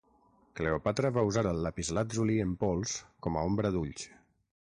Cleopatra va usar el lapislàtzuli en pols com a ombra d'ulls.